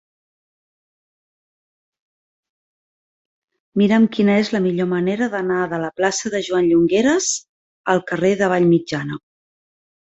Mira'm quina és la millor manera d'anar de la plaça de Joan Llongueras al carrer de Vallmitjana.